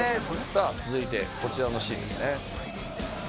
さあ続いてこちらのシーンですね。